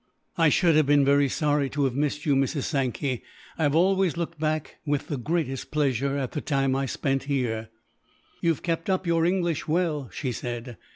"I should have been very sorry to have missed you, Mrs. Sankey. I have always looked back, with the greatest pleasure, at the time I spent here." "You have kept up your English well," she said.